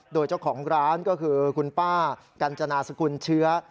โดยเจ้าของร้านก็คือคุณป้ากัญจนาสกุลเชื้อ